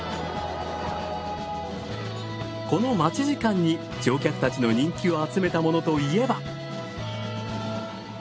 この待ち時間に乗客たちの人気を集めたものといえば。